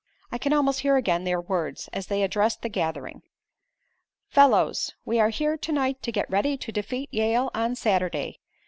I can almost hear again their words, as they addressed the gathering. "Fellows, we are here to night to get ready to defeat Yale on Saturday.